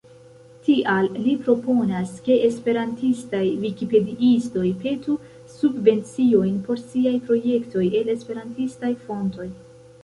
Tial li proponas, ke esperantistaj vikipediistoj petu subvenciojn por siaj projektoj el esperantistaj fontoj.